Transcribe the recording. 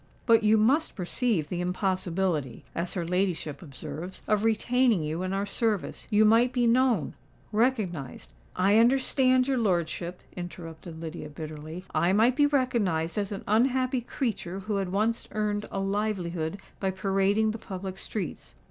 But you must perceive the impossibility, as her ladyship observes, of retaining you in our service. You might be known—recognised——" "I understand your lordship," interrupted Lydia, bitterly; "I might be recognised as an unhappy creature who had once earned a livelihood by parading the public streets.